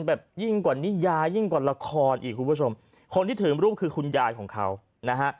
แบบยิ่งกว่านิยายยิ่งกว่าละครอีกคุณผู้ชมคนที่ถือรูปคือคุณยายของเขานะฮะ